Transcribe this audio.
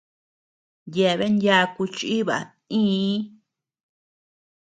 Yeaben yaku chiiba nïi.